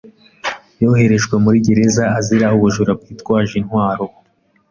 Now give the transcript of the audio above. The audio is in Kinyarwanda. Yoherejwe muri gereza azira ubujura bwitwaje intwaro.